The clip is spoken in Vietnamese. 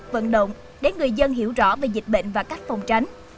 vận động để người dân hiểu rõ về dịch bệnh và cách phòng tránh